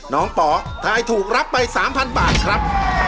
น้องป่อถ่ายถูกรับไป๓๐๐๐บาทครับ